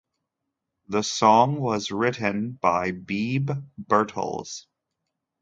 The song was written by Beeb Birtles.